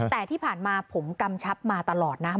แต่ที่ผ่านมาผมกำชับมาตลอดนะ